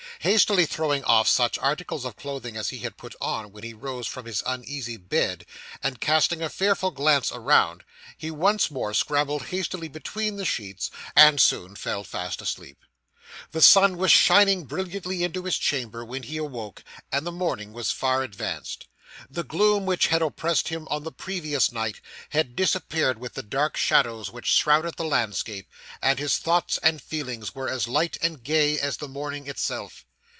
Hastily throwing off such articles of clothing as he had put on when he rose from his uneasy bed, and casting a fearful glance around, he once more scrambled hastily between the sheets, and soon fell fast asleep. The sun was shining brilliantly into his chamber, when he awoke, and the morning was far advanced. The gloom which had oppressed him on the previous night had disappeared with the dark shadows which shrouded the landscape, and his thoughts and feelings were as light and gay as the morning itself.